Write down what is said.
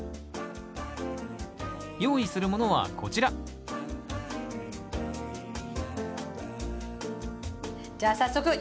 用意するものはこちらじゃあ早速いきましょう！